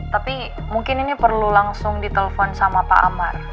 tapi mungkin ini perlu langsung di telpon sama pak amar